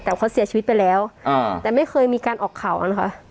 แต่เขาเสียชีวิตไปแล้วแต่ไม่เคยมีการออกข่าวนะคะ